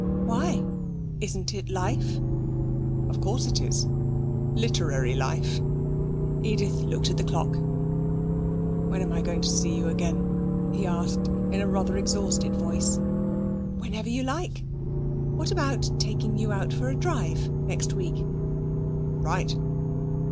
'Why? Isn't it life?' 'Of course it is. Literary life.' Edith looked at the clock. 'When am I going to see you again?' he asked in a rather exhausted voice. 'Whenever you like. What about taking you out for a drive next week?' 'Right.'